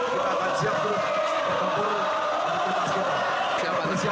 kita akan siap untuk berkembang ke piala asia